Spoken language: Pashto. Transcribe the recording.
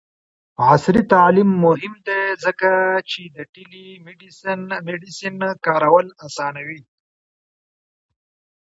عصري تعلیم مهم دی ځکه چې د ټیلی میډیسین کارول اسانوي.